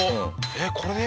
えっこれで？